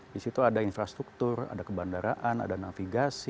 di situ ada infrastruktur ada kebandaraan ada navigasi